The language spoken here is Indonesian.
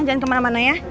jangan kemana mana ya